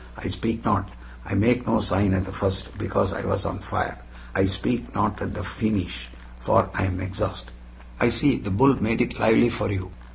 I speak not, I make no sign at the first, because I was on fire; I speak not at the feenish for I am exhaust." "I see; the bull made it lively for you."